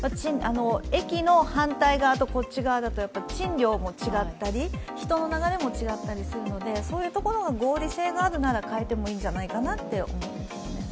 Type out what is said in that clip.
駅の反対側だとこっちでは賃料も違ったり人の流れも違ったりするので、そういうところが合理性があるなら変えてもいいんじゃないかなと思います。